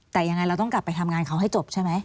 แต่ยังไงเราต้องกลับไปทำงานเขาให้จบใช่ไหม